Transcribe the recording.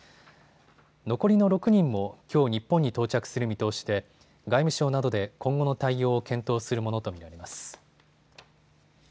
残りの６人もきょう日本に到着する見通しで外務省などで今後の対応を検討するものと見られます。